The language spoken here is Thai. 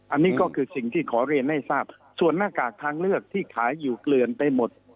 อันนี้ก็คือสิ่งที่ขอเรียนให้ทราบส่วนหน้ากากทางเลือกที่ขายอยู่เกลือนไปหมด